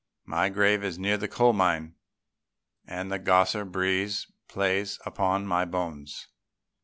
My grave is near the coal mine, and the grosser breeze plays upon my bones.